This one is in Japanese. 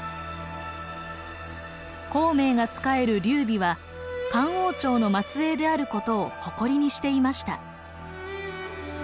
孔明が仕える劉備は漢王朝の末裔であることを誇りにしていました。